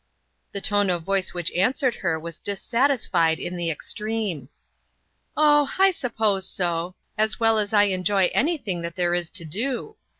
The tone of voice which answered her was dissatisfied in the extreme :" Oh, I suppose so ; as well as I enjoy anything that there is to do.